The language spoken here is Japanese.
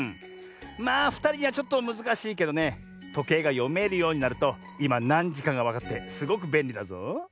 まあふたりにはちょっとむずかしいけどねとけいがよめるようになるといまなんじかがわかってすごくべんりだぞ。